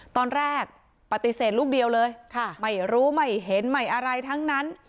ตอนแรกปฏิเสธลูกเดียวเลยไม่รู้ไม่เห็นไม่อะไรทั้งนั้น